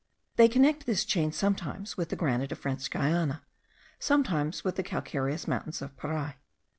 They connect this chain sometimes with the granite of French Guiana, sometimes with the calcareous mountains of Pari.